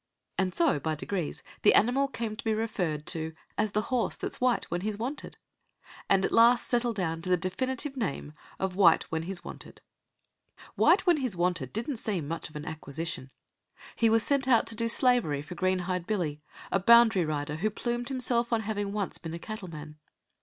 And so, by degrees, the animal came to be referred to as the horse that's white when he's wanted, and at last settled down to the definite name of "White when he's wanted". White when he's wanted didn't seem much of an acquisition. He was sent out to do slavery for Greenhide Billy, a boundary rider who plumed himself on having once been a cattle man.